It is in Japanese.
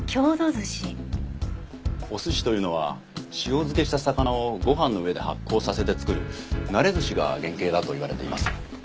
お寿司というのは塩漬けした魚をご飯の上で発酵させて作るなれずしが原型だと言われています。